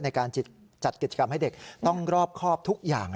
ในการจัดกิจกรรมให้เด็กต้องรอบครอบทุกอย่าง